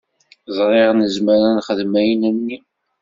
Ẓriɣ nezmer ad nexdem ayen-nni.